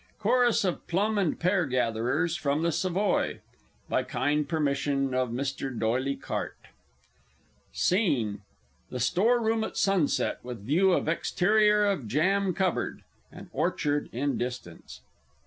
Chorus of Plum and Pear Gatherers, from the Savoy (by kind permission of Mr. D'OYLY CARTE). SCENE _The Store room at sunset with view of exterior of Jam Cupboard, and orchard in distance.